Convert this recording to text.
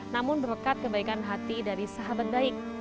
namun berkat kebaikan hati dari sahabat baik